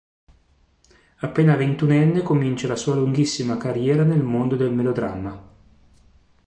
Appena ventunenne comincia la sua lunghissima carriera nel mondo del melodramma.